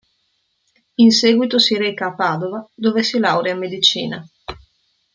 In seguito si reca a Padova, dove si laurea in medicina.